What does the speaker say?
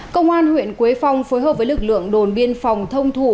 công an huyện quế phong phối hợp với lực lượng đồn biên phòng thông thủ